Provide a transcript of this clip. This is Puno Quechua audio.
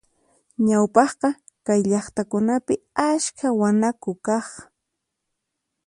Ñawpaqqa kay llaqtakunapi askha wanaku kaq.